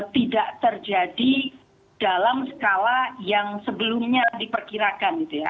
tidak terjadi dalam skala yang sebelumnya diperkirakan gitu ya